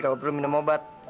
kamu perlu minum obat